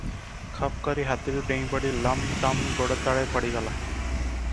ଖପ୍ କରି ହାତୀରୁ ଡେଇଁପଡି ଲମ୍ ତମ୍ ଗୋଡ଼ତଳେ ପଡିଗଲା ।